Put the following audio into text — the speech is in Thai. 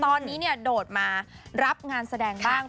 ตอนนี้เนี่ยโดดมารับงานแสดงบ้าง